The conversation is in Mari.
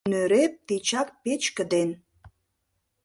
Нӧреп тичак печке ден.